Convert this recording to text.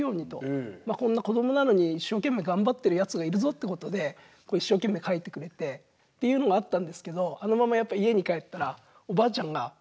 こんな子どもなのに一生懸命頑張ってるやつがいるぞってことで一生懸命描いてくれてっていうのがあったんですけどあのままやっぱ家に帰ったらおばあちゃんがびっくりして。